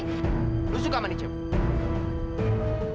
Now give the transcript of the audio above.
kamu suka sama ini cebu